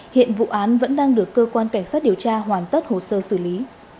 hiện vụ án vẫn đang được cơ quan cảnh sát điều tra hoàn tất hồ sơ xử lý